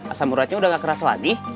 asam uratnya udah nggak keras lagi